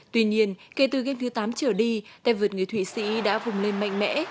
tuy nhiên kể từ game thứ tám trở đi tay vượt người thụy sĩ đã vùng lên mạnh mẽ